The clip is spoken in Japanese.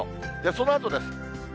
そのあとです。